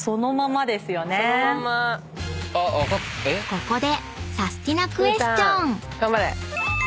［ここで］